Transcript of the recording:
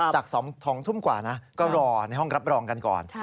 จาก๒ทุ่มกว่านะก็รอในห้องรับรองกันก่อน